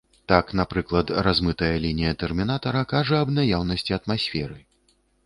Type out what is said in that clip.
Так, напрыклад, размытая лінія тэрмінатара кажа аб наяўнасці атмасферы.